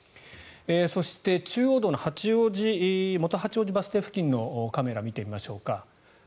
そして、中央道の元八王子バス停付近のカメラを見てみましょうか。